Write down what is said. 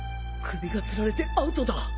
首が吊られてアウトだ